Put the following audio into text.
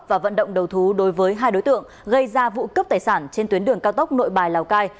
và vận động đầu thú đối với hai đối tượng gây ra vụ cướp tài sản trên tuyến đường cao tốc nội bài lào cai